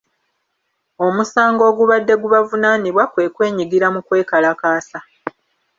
Omusango ogubadde gubavunaanibwa kwe kwenyigira mu kwekalakaasa.